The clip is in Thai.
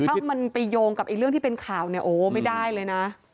ถ้ามันไปโยงกับเรื่องที่เป็นข่าวเนี่ยโอ้ไม่ได้เลยนะ